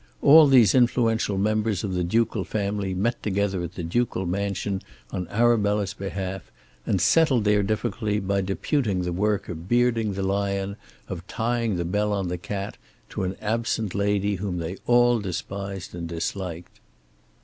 All these influential members of the ducal family met together at the ducal mansion on Arabella's behalf, and settled their difficulty by deputing the work of bearding the lion, of tying the bell on the cat, to an absent lady whom they all despised and disliked.